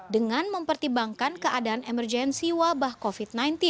dengan mempertimbangkan keadaan emergensi wabah covid sembilan belas